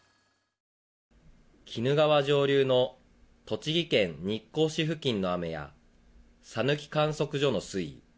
鬼怒川上流の栃木県日光市付近の雨や佐貫観測所の水位。